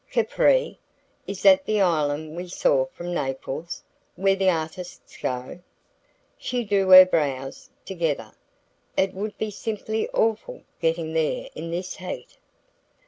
"Capri? Is that the island we saw from Naples, where the artists go?" She drew her brows together. "It would be simply awful getting there in this heat."